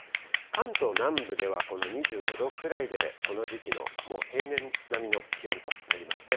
関東南部ではこの２５度くらいで、この時期の、もう平年並みの気温となりますね。